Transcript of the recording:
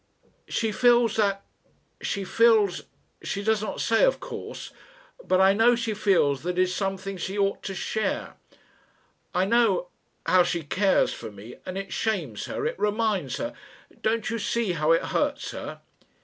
"She feels that She feels she does not say, of course, but I know she feels that it is something she ought to share. I know how she cares for me. And it shames her it reminds her Don't you see how it hurts her?"